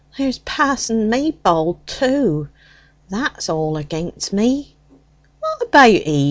"There's Pa'son Maybold, too that's all against me." "What about he?